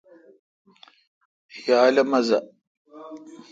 یال اؘ مزہ۔